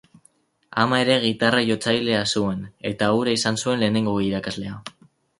Ama ere gitarra-jotzailea zuen, eta hura izan zuen lehenengo irakaslea.